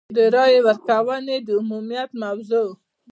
د رایې ورکونې د عمومیت موضوع.